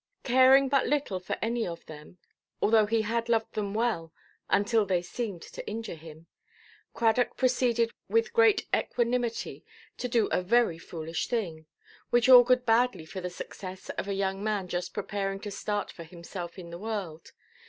Caring but little for any of them, although he had loved them well until they seemed to injure him, Cradock proceeded with great equanimity to do a very foolish thing, which augured badly for the success of a young man just preparing to start for himself in the world.